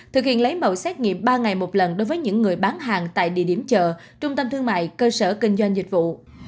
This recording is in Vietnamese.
thực hiện lấy mẫu xét nghiệm ba ngày một lần đối với những người bán hàng tại địa điểm chợ trung tâm thương mại cơ sở kinh doanh dịch vụ